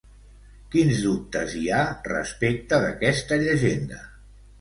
Quins dubtes hi ha respecte d'aquesta llegenda?